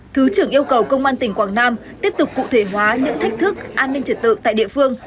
thứ trưởng yêu cầu công an tỉnh quảng nam tiếp tục cụ thể hóa những thách thức an ninh trật tự tại địa phương